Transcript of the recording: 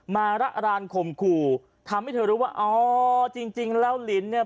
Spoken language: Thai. มาระรานข่มขู่ทำให้เธอรู้ว่าอ๋อจริงจริงแล้วลินเนี่ย